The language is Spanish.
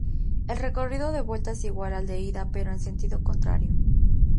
El recorrido de vuelta es igual al de ida pero en sentido contrario.